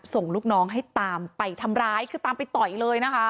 ส่งลูกน้องให้ตามไปทำร้ายคือตามไปต่อยเลยนะคะ